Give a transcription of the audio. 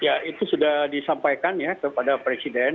ya itu sudah disampaikan ya kepada presiden